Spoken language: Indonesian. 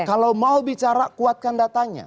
kalau mau bicara kuatkan datanya